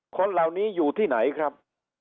คนเหล่านี้อยู่ที่ไหนครับ